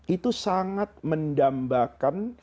itu sangat mendambakan